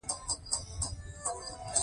هلمند ولایت د هیواد تر ټولو پراخ ولایت دی